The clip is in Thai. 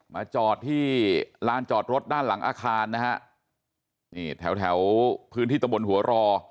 มาจอดที่ลานจอดรถด้านหลังอาคารนะฮะนี่แถวแถวพื้นที่ตะบนหัวรอ